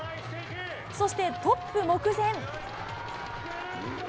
そして、トップ目前。